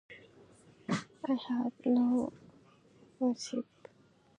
I have no worship.